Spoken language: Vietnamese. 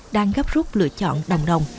đang gấp rút lựa chọn đồng đồng